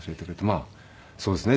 まあそうですね。